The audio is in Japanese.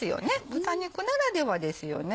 豚肉ならではですよね